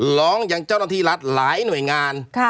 ร้องที่แหล่งเจ้าต้อนรัฐฐีหลายหน่วยงาน